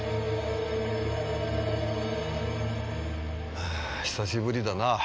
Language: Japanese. はあ久しぶりだな。